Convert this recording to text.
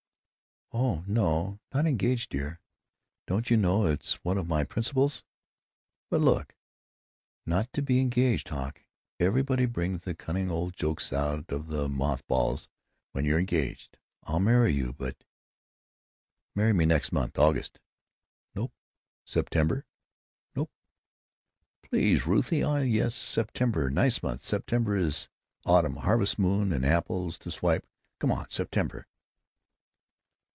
"Oh no, no, not engaged, dear. Don't you know it's one of my principles——" "But look——" "——not to be engaged, Hawk? Everybody brings the cunnin' old jokes out of the moth balls when you're engaged. I'll marry you, but——" "Marry me next month—August?" "Nope." "September?" "Nope." "Please, Ruthie. Aw yes, September. Nice month, September is. Autumn. Harvest moon. And apples to swipe. Come on. September."